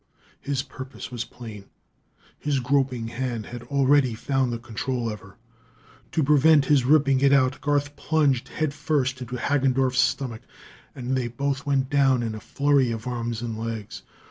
His purpose was plain; his groping hand had already found the control lever. To prevent his ripping it out, Garth plunged head first into Hagendorff's stomach, and they both went down in a flurry of arms and legs.